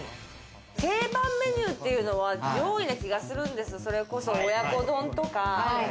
定番メニューというのは、上位な気がするんですよ、親子丼とか。